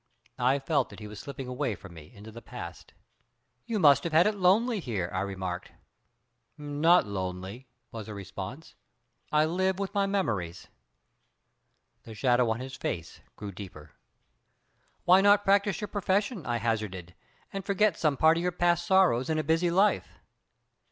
I felt that he was slipping away from me into the past. "You must have it lonely here," I remarked. "Not lonely," was the response. "I live with my memories." The shadow on his face grew deeper. "Why not practice your profession," I hazarded, "and forget some part of your past sorrows in a busy life?"